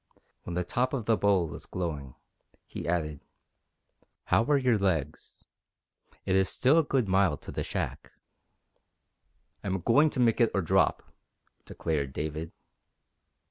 When the top of the bowl was glowing, he added: "How are your legs? It is still a good mile to the shack." "I am going to make it or drop," declared David.